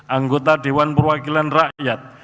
anggota dewan perwakilan rakyat